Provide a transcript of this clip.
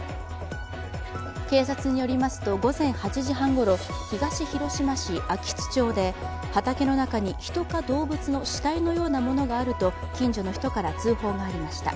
警察によりますと、午前８時半ごろ、東広島市安芸津町で畑の中に人か動物の死体のようなものがあると近所の人から通報がありました。